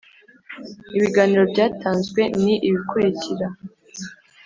Ibiganiro byatanzwe ni ibikurikira